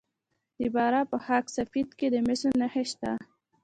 د فراه په خاک سفید کې د مسو نښې شته.